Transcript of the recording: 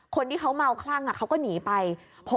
คนที่เขาเมาคลั่งเขาก็หนีไป